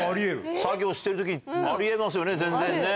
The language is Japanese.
作業してるときにありえますよね、全然ね。